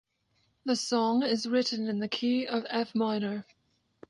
The song is written in the key of F minor.